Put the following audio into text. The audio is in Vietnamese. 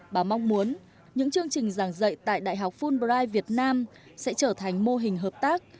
bà mong muốn những chương trình giảng dạy tại đại học fulbright việt nam sẽ trở thành mô hình hợp tác